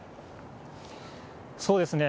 そうですね。